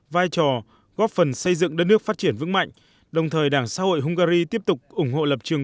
vai trò góp phần xây dựng đất nước phát triển vững mạnh đồng thời đảng xã hội hungary tiếp tục ủng hộ lập trường